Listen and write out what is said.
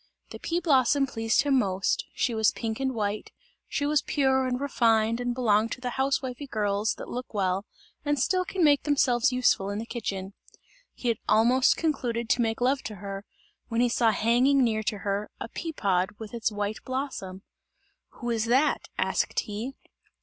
The pea blossom pleased him most, she was pink and white, she was pure and refined and belonged to the housewifely girls that look well, and still can make themselves useful in the kitchen. He had almost concluded to make love to her, when he saw hanging near to her, a pea pod with its white blossom. "Who is that?" asked he.